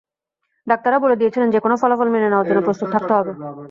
ডাক্তাররা বলে দিয়েছিলেন, যেকোনো ফলাফল মেনে নেওয়ার জন্য প্রস্তুত থাকতে হবে।